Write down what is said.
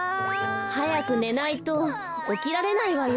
はやくねないとおきられないわよ。